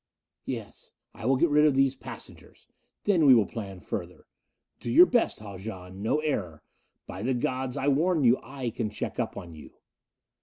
"Yes. I will get rid of these passengers. Then we will plan further. Do your best, Haljan no error! By the Gods, I warn you I can check up on you!"